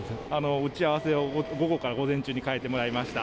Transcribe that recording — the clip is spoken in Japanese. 打ち合わせを午後から午前中に変えてもらいました。